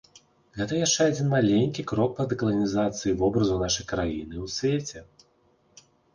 Гэта яшчэ адзін маленькі крок па дэкаланізацыі вобразу нашай краіны ў свеце.